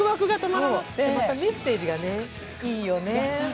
またメッセージがいいよね。